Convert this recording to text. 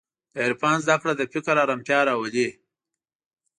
د عرفان زدهکړه د فکر ارامتیا راولي.